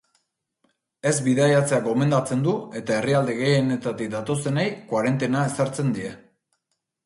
Ez bidaiatzea gomendatzen du, eta herrialde gehienetatik datozenei koarentena ezartzen die.